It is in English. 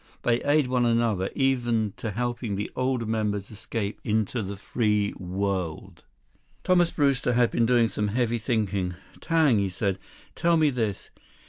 They aid one another, even to helping the older members escape into the free world." 16 Thomas Brewster had been doing some heavy thinking. "Tang," he said. "Tell me this.